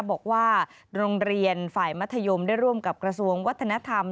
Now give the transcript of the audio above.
บอกว่าโรงเรียนฝ่ายมัธยมได้ร่วมกับกระทรวงวัฒนธรรม